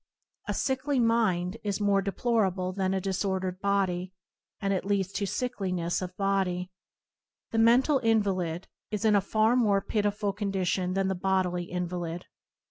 A sickly mind is more deplorable than a disordered body, and it leads to sickliness of body. The mental invalid is in a far more pitiable condition than the bodily invalid.